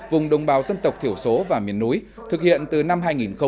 vùng đồng bào dân tộc thiểu số và miền núi thực hiện từ năm hai nghìn hai mươi một